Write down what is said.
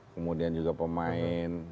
kemudian juga pemain